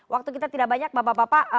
waktu kita tidak banyak bapak bapak